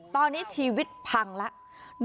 ตอนนี้ชีวิตพังแล้ว